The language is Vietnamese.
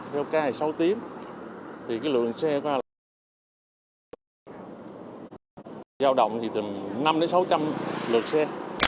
theo ca này sáu tiếng thì cái lượng xe qua là năm đến sáu trăm linh lượt xe